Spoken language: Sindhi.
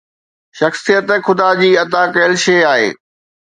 شخصيت خدا جي عطا ڪيل شيءِ آهي.